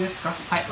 はい。